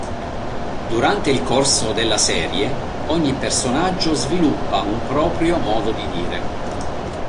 Durante il corso della serie, ogni personaggio sviluppa un proprio modo di dire.